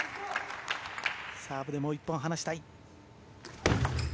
サーブでもう１本離したい。